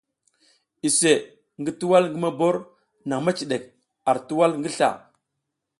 Iseʼe ngi tuwal ngi mobor nang mecidek ar tuwal ngi sla.